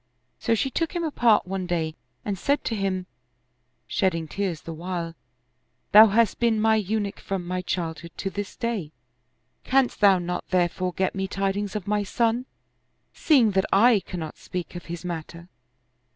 So she took him apart one day and said to him, shedding tears the while, "Thou hast been my Eunuch from my childhood to this day ; canst thou not therefore get me tidings of my son, seeing that I cannot speak of his matter?